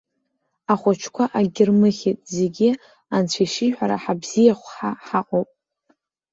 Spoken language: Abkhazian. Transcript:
Ахәыҷқәа акгьы рмыхьит, зегьы, анцәа ишиҳәара, ҳабзиахәха ҳаҟоуп.